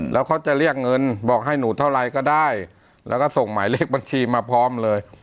แล้วเขาจะเรียกเงินบอกให้หนูเท่าไรก็ได้แล้วก็ส่งหมายเลขบัญชีมาพร้อมเลย